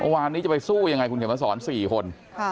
วานนี้จะไปสู้ยังไงคุณเขียนมาสอน๔คน